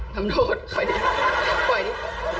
ทำโทษค่อยดีค่อยดี